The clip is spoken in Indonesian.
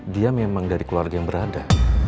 dia memang dari keluarga yang berada